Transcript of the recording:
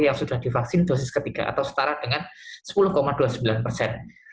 yang sudah divaksin dosis ketiga atau setara dengan sepuluh dua puluh sembilan persen